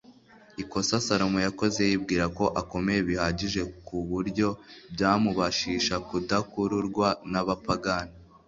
ikosa salomo yakoze yibwira ko akomeye bihagije ku buryo byamubashisha kudakururwa n'abapagani